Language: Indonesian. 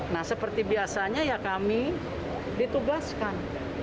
nah seperti biasanya ya kami ditugaskan